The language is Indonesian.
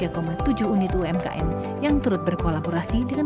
untuk mendepati ketinggalan peninggalan berikut pengambilan gnd